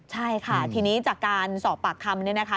ใช่ค่ะทีนี้จากการสอบปากคำเนี่ยนะคะ